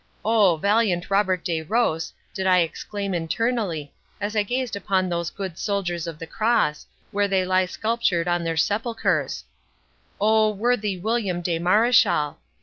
O, valiant Robert de Ros! did I exclaim internally, as I gazed upon these good soldiers of the cross, where they lie sculptured on their sepulchres,—O, worthy William de Mareschal!